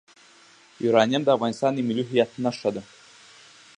یورانیم د افغانستان د ملي هویت نښه ده.